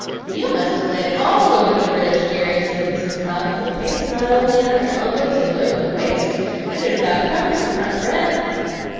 "You must 'a' laid all over the breedge, deary," said Mrs. Cobb; "for the paint 's not only on your elbows and yoke and waist, but it about covers your front breadth."